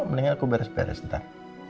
mendingan aku beres beres ntar